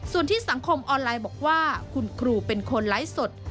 ส่วนที่สังคมออนไลน์บอกว่าคุณครูเป็นคนไลฟ์สด